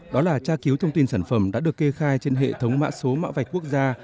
đó là tra cứu thông tin sản phẩm đã được kê khai trên hệ thống mã số mã vạch quốc gia